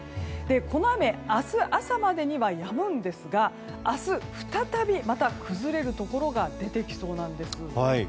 この雨、明日朝までにはやむんですが明日、再びまた崩れるところが出てきそうなんです。